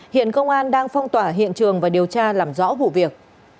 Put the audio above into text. hiện công an đang phong tỏa hiện trường và điều tra làm rõ vụ việc